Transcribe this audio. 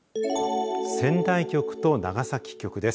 仙台局と長崎局です。